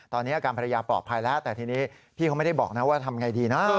ตอนนี้อาการภรรยาปลอดภัยแล้วแต่ทีนี้พี่เขาไม่ได้บอกนะว่าทำไงดีนะ